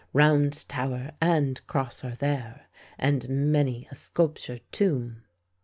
Round Tower and Cross are there, and many a sculptured tomb.